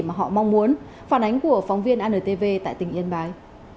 mà họ mong muốn phản ánh của phóng viên antv tại tỉnh yên bái